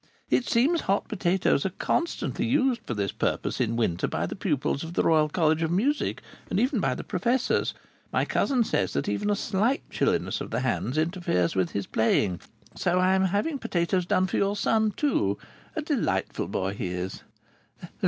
It seems hot potatoes are constantly used for this purpose in winter by the pupils of the Royal College of Music, and even by the professors. My cousin says that even a slight chilliness of the hands interferes with his playing. So I am having potatoes done for your son too. A delightful boy he is!"